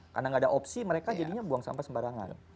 karena nggak ada opsi mereka jadinya buang sampah sembarangan